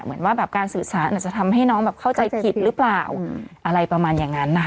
เหมือนว่าแบบการสื่อสารอาจจะทำให้น้องแบบเข้าใจผิดหรือเปล่าอะไรประมาณอย่างนั้นนะคะ